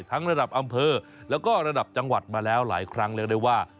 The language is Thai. ทั้งระดับอำเภอและก็ระดับจังหวัดมาแล้วหลายครั้งเลยว่า